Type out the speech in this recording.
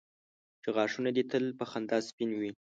چې غاښونه دي تل په خندا سپین وي.